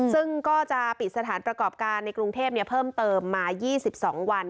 ซึ่งก็จะปิดสถานประกอบการในกรุงเทพเพิ่มเติมมา๒๒วัน